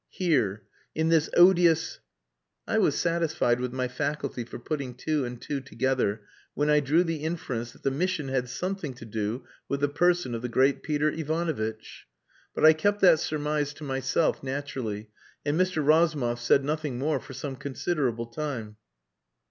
Here. In this odious...." I was satisfied with my faculty for putting two and two together when I drew the inference that the mission had something to do with the person of the great Peter Ivanovitch. But I kept that surmise to myself naturally, and Mr. Razumov said nothing more for some considerable time.